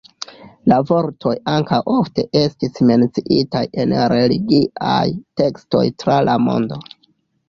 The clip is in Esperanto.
La vortoj ankaŭ ofte estis menciitaj en religiaj tekstoj tra la mondo.